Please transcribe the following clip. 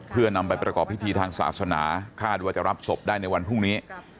เพื่อนำไปประกอบพิธีทางศาสนาคาดว่าจะรับศพได้ในวันพรุ่งนี้